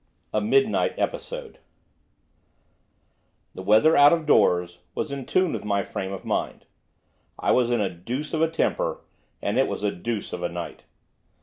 A MIDNIGHT EPISODE The weather out of doors was in tune with my frame of mind, I was in a deuce of a temper, and it was a deuce of a night.